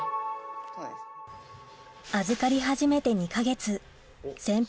預かり始めて２か月先輩